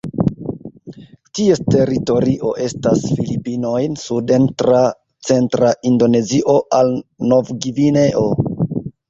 Ties teritorio estas Filipinoj suden tra centra Indonezio al Novgvineo.